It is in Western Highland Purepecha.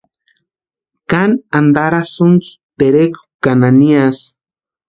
¿Káni antarasïnki terekwa ka naniasï?